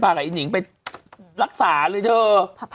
อะไรมันหมายนึง